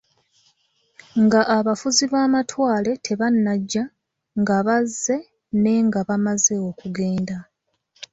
Nga abafuzi b'amatwale tebanajja, nga bazze, ne nga bamaze okugenda.